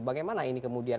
bagaimana ini kemudian